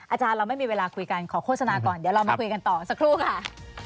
อาจารย์เราไม่มีเวลาคุยกันขอโฆษณาก่อนเดี๋ยวเรามาคุยกันต่อสักครู่ค่ะ